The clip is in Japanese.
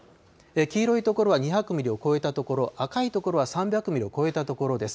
黄色い所は２００ミリを超えた所、赤い所は３００ミリを超えた所です。